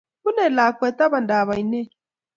Bunei lakwet tapandap oinet